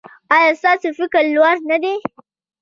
ایا ستاسو فکر لوړ نه دی؟